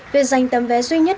việc giành tấm vé duy nhất